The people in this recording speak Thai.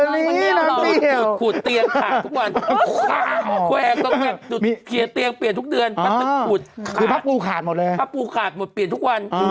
นอนเปียววันนี้ว่าถูกขูดเตียงขาดทุกวัน